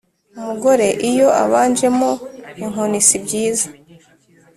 Umugore iyo abanjemo inkoni si byiza